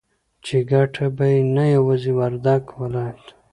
چې گټه به يې نه يوازې وردگ ولايت